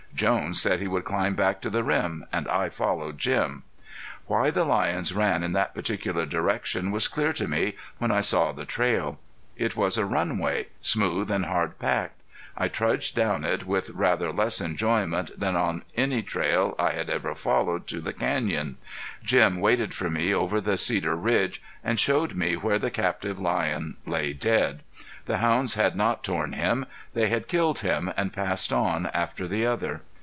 Jones said he would climb back to the rim, and I followed Jim. Why the lions ran in that particular direction was clear to me when I saw the trail. It was a runway, smooth and hard packed. I trudged along it with rather less enjoyment than on any trail I had ever followed to the canyon. Jim waited for me over the cedar ridge and showed me where the captive lion lay dead. The hounds had not torn him. They had killed him and passed on after the other.